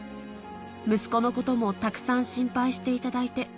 息子のこともたくさん心配していただいて。